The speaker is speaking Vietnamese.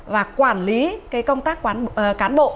và quản lý cái công tác cán bộ